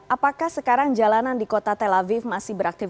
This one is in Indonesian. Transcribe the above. apakah sekarang jalanan di kota tel aviv masih beraktif